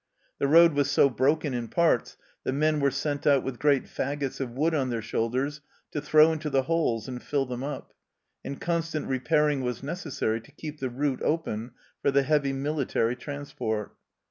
The road was so broken in parts that men were sent out with great faggots of wood on their shoulders to throw into the holes and fill them up, and constant repairing was necessary to keep the route open for the heavy military transport.